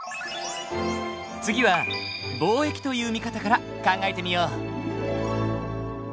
次は貿易という見方から考えてみよう。